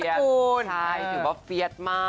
ใช่ถือว่าเฟียดมาก